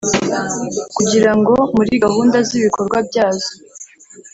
kugirango muri gahunda z'ibikorwa byazo